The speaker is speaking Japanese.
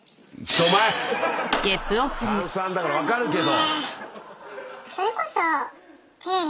炭酸だから分かるけど。